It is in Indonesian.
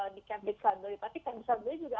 di campus lantai tapi campus lantai juga